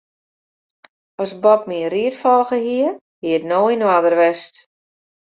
As Bob myn ried folge hie, hie it no yn oarder west.